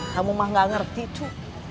kamu mah gak ngerti cu